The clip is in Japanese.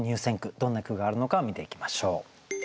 どんな句があるのか見ていきましょう。